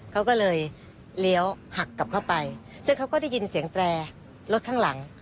เขาก็เลยเลี้ยวหักกลับเข้าไปซึ่งเขาก็ได้ยินเสียงแตรรถข้างหลัง